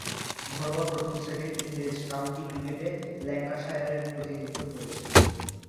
ঘরোয়া প্রথম-শ্রেণীর ইংরেজ কাউন্টি ক্রিকেটে ল্যাঙ্কাশায়ারের প্রতিনিধিত্ব করেছেন।